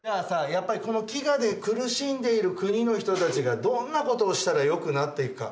やっぱりこの飢餓で苦しんでいる国の人たちがどんなことをしたらよくなっていくか。